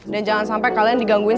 dan jangan sampai kalian digangguin